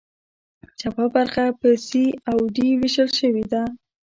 چپه برخه په سي او ډي ویشل شوې ده.